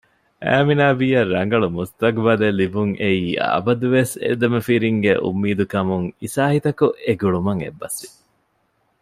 އައިމިނާބީއަށް ރަނގަޅު މުސްތަޤުބަލެއް ލިބުންއެއީ އަބަދުވެސް އެދެމަފިރިންގެ އުންމީދެއްކަމުން އިސާހިތަކު އެގުޅުމަށް އެއްބަސްވި